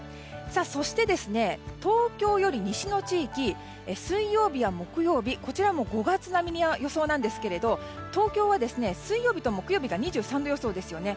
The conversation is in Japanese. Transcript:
そして、東京より西の地域水曜日や木曜日こちらも５月並みの予想なんですけれど東京は水曜日と木曜日が２３度予想ですよね。